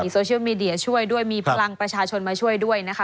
โซเชียลมีเดียช่วยด้วยมีพลังประชาชนมาช่วยด้วยนะคะ